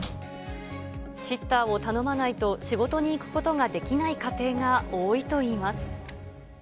シッターを頼まないと仕事に行くことができない家庭が多いといいます。